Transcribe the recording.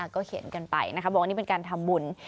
ก็เขียนกันไปนะคะบอกว่านี่เป็นการทำบุญ